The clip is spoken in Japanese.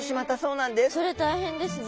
それ大変ですね。